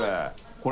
これ？